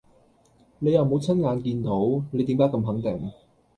你又冇親眼見到，你點解咁肯定